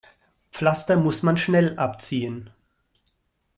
Pflaster muss man schnell abziehen.